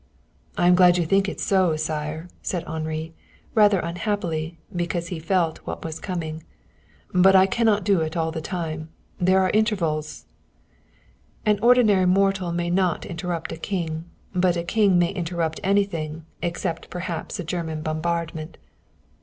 "I am glad you think it so, sire," said Henri rather unhappily, because he felt what was coming. "But I cannot do it all the time. There are intervals " An ordinary mortal may not interrupt a king, but a king may interrupt anything, except perhaps a German bombardment.